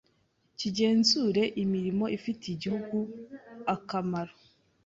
kigenzure imirimo ifitiye igihugu ekemero